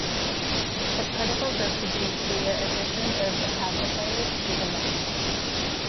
The particles are produced via addition of opacifiers to the melt.